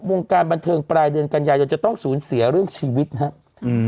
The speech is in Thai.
วงการบันเทิงปลายเดือนกันยายนจะต้องสูญเสียเรื่องชีวิตนะครับ